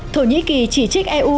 thổ nhĩ kỳ chỉ trích eu